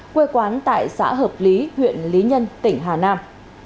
quê quán tại xã hợp lý huyện lý nhân tỉnh hà nam